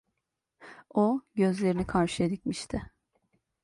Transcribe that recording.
O, gözlerini karşıya dikmişti.